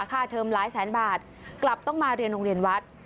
เทอมหลายแสนบาทกลับต้องมาเรียนโรงเรียนวัด